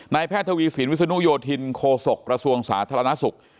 แพทย์ทวีสินวิศนุโยธินโคศกระทรวงสาธารณสุข